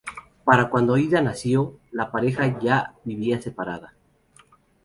Para cuando Ida nació, la pareja ya vivía separada.